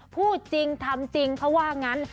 พูดจริงทำจริงเขาว่างั้น